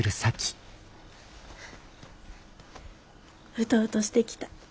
うとうとしてきた。